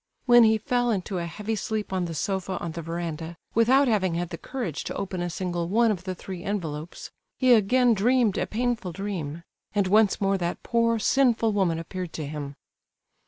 When he fell into a heavy sleep on the sofa on the verandah, without having had the courage to open a single one of the three envelopes, he again dreamed a painful dream, and once more that poor, "sinful" woman appeared to him.